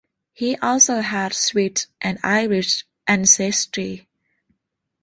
He also has Swiss and Irish ancestry.